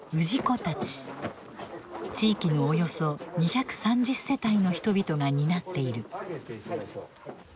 地域のおよそ２３０世帯の人々が担っている。